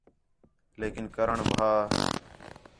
لیکن کرݨ بن بھا